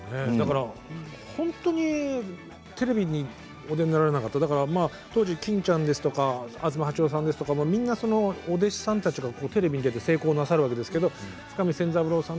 本当にテレビにお出にならなかったら当時、欽ちゃんですとか東八郎さんとかお弟子さんたちはテレビに出て成功なさるんですけれど深見千三郎さん